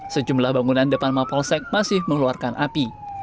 sejumlah bangunan depan mapolsek masih mengeluarkan api